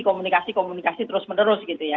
komunikasi komunikasi terus menerus gitu ya